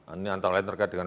ini antara lain terkait dengan